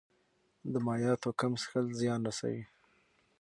د مایعاتو کم څښل زیان رسوي.